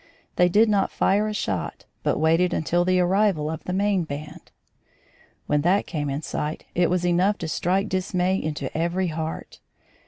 They did not fire a shot but waited until the arrival of the main band. When that came in sight, it was enough to strike dismay into every heart.